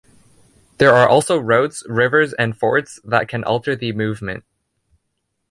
There are also roads, rivers, and fords that can alter the movement.